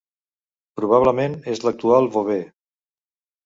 Probablement és l'actual Beauvais.